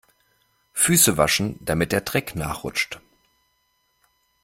Füße waschen, damit der Dreck nachrutscht.